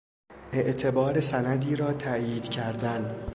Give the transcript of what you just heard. اعتبار سندی را تایید کردن